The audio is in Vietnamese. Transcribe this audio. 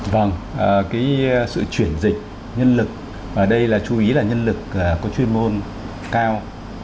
vâng cái sự chuyển dịch nhân lực và đây là chú ý là nhân lực có chuyên môn cao